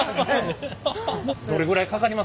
どれぐらいかかります？